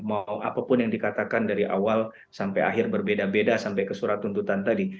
mau apapun yang dikatakan dari awal sampai akhir berbeda beda sampai ke surat tuntutan tadi